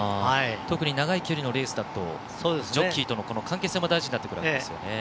特に長い距離のレースだとジョッキーとの関係性も大事になってくるわけですよね。